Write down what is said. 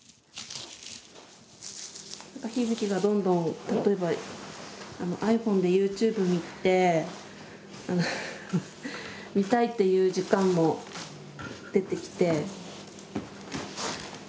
日々貴がどんどん例えばｉＰｈｏｎｅでＹｏｕＴｕｂｅ見て見たいっていう時間も出てきて。